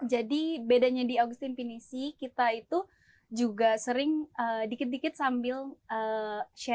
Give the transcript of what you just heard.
jadi bedanya di agustin vinisi kita itu juga sering dikit dikit sambil sharing mengajarkan sedikit ke tasar